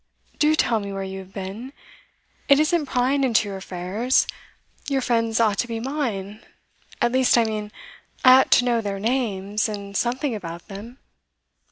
'Do tell me where you have been. It isn't prying into your affairs. Your friends ought to be mine; at least, I mean, I ought to know their names, and something about them.